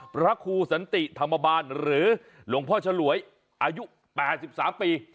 พระครูสันติธรรมบาลหรือหลวงพ่อฉลวยอายุ๘๓ปี